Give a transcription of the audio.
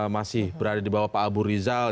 masih berada di bawah pak abu rizal